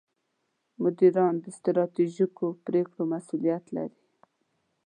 مدیران د ستراتیژیکو پرېکړو مسوولیت لري.